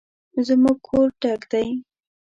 زموږ کور ډک دی